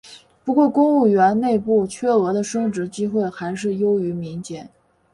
不过公务员内部缺额的升职机会还是优于民间。